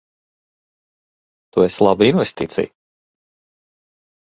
Tu esi laba investīcija.